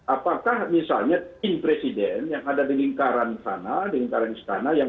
apakah misalnya tim presiden yang ada di lingkaran sana di lingkaran istana